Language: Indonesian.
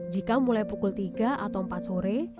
jika mulai pukul tiga atau empat sore